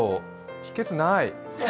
秘けつ、ない。